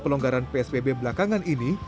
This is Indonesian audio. pelonggaran psbb belakangan ini